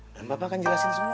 dan papa akan jelasin semua buat